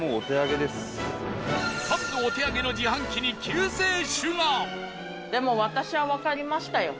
サンドお手上げの自販機に救世主がでも私はわかりましたよ。